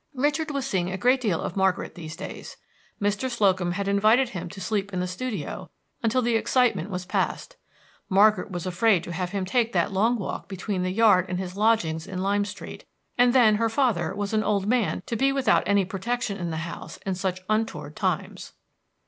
Richard was seeing a great deal of Margaret these days. Mr. Slocum had invited him to sleep in the studio until the excitement was past. Margaret was afraid to have him take that long walk between the yard and his lodgings in Lime Street, and then her father was an old man to be without any protection in the house in such untoward times.